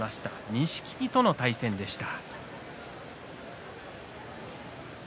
錦木との対戦でした。